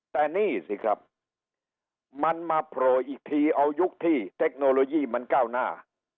แต่นี่สิครับมันมาโผล่อีกทีเอายุคที่เทคโนโลยีมันก้าวหน้า